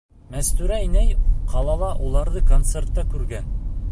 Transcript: Мәстүрә инәй ҡалала уларҙы концертта күргән.